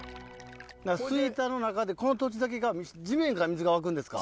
吹田の中でこの土地だけが地面から水が湧くんですか？